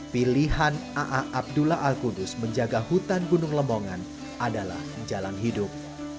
pilihan a'a abdullah alqudus menjaga hutan gunung lemongan adalah jalan hidup